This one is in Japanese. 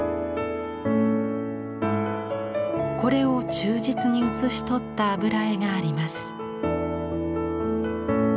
これを忠実に写し取った油絵があります。